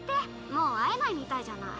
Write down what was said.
もう会えないみたいじゃない。